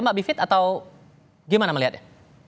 mbak bivit atau gimana melihatnya